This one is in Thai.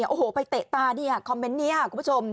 โอ้โหไปเตะตาเนี่ยคอมเมนต์นี้คุณผู้ชม